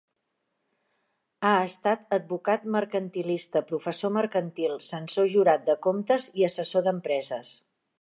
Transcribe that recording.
Ha estat advocat mercantilista, professor mercantil, censor jurat de comptes i assessor d'empreses.